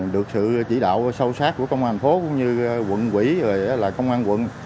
được sự chỉ đạo sâu sát của công an phố cũng như quận quỷ công an quận